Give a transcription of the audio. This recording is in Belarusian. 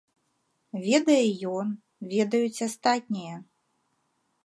Ведае ён, ведаюць астатнія.